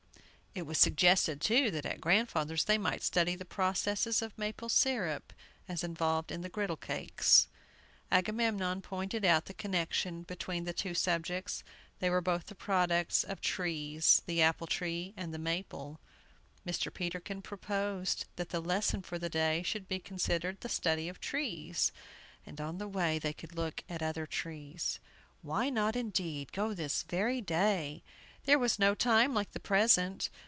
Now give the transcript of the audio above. It was suggested, too, that at grandfather's they might study the processes of maple syrup as involved in the griddle cakes. Agamemnon pointed out the connection between the two subjects: they were both the products of trees the apple tree and the maple. Mr. Peterkin proposed that the lesson for the day should be considered the study of trees, and on the way they could look at other trees. Why not, indeed, go this very day? There was no time like the present.